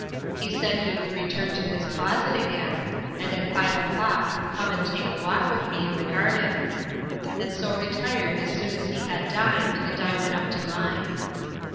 He said he would return to his closet again; and at five o'clock would come and take a walk with me in the garden: And so retired as soon as he had dined, and I went up to mine.